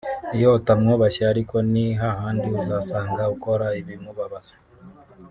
iyo utamwubashye ariko ni hahandi uzasanga ukora ibimubabaza